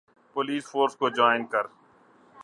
police force کو join کر